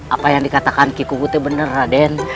apa yang dikatakan kiku bu itu benar raden